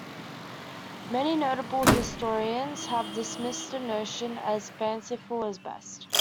Many notable historians have dismissed the notion as fanciful at best.